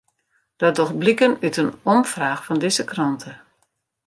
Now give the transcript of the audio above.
Dat docht bliken út in omfraach fan dizze krante.